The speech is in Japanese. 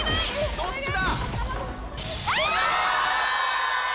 どっちだ？